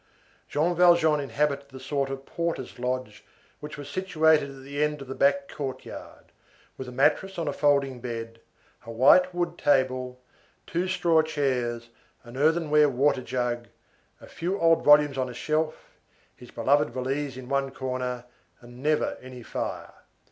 Jean Valjean inhabited the sort of porter's lodge which was situated at the end of the back courtyard, with a mattress on a folding bed, a white wood table, two straw chairs, an earthenware water jug, a few old volumes on a shelf, his beloved valise in one corner, and never any fire.